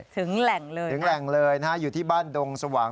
ถึงแหล่งเลยครับนะฮะอยู่ที่บ้านดงสว่าง